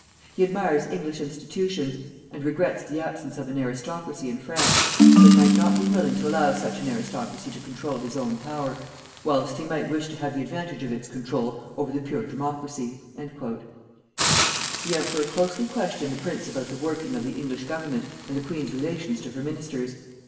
He admires English institutions, and regrets the absence of an aristocracy in France, but might not be willing to allow such an aristocracy to control his own power, whilst he might wish to have the advantage of its control over the pure democracy." The emperor closely questioned the prince about the working of the English government and the queen's relations to her ministers.